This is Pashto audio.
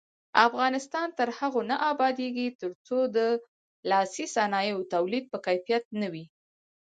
افغانستان تر هغو نه ابادیږي، ترڅو د لاسي صنایعو تولید په کیفیت نه وي.